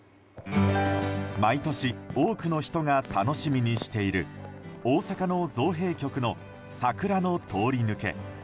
毎年多くの人が楽しみにしている大阪の造幣局の桜の通り抜け。